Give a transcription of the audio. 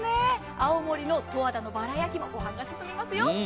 青森の十和田のバラ焼きも進みますよ。